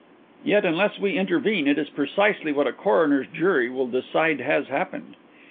"Yet unless we intervene it is precisely what a coroner's jury will decide has happened.